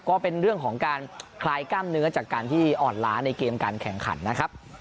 ก็เป็นเรื่องของการคลายกล้ามเนื้อจากการที่อ่อนล้าในเกมการแข่งขันนะครับ